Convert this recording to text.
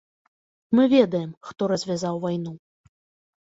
Мы ведаем, хто развязаў вайну.